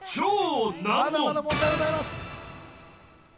まだまだ問題ございます。